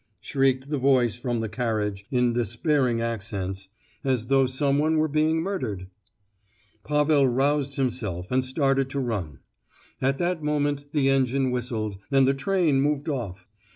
shrieked the voice from the carriage, in despairing accents, as though some one were being murdered. Pavel roused himself and started to run. At that moment the engine whistled, and the train moved off.